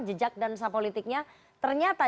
jejak dan usaha politiknya ternyata